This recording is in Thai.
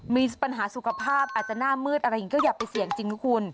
มีปัญหาสุขภาพอาจจะหน้ามืดอะไรอีกก็อย่าไปเสี่ยงจริง